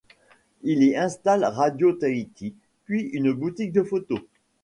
Il y installe Radio Tahiti, puis une boutique de photo.